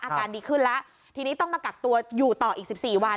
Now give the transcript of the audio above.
อาการดีขึ้นแล้วทีนี้ต้องมากักตัวอยู่ต่ออีก๑๔วัน